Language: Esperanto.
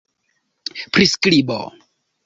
priskribo